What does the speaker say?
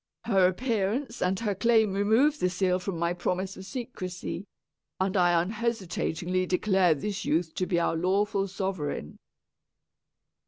Her appearance and her claim remove the seal from my promise of secresy, and I unhesitatingly declare this youth to be our lawful sovereign."